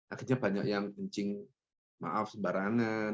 akhirnya banyak yang kencing maaf sembarangan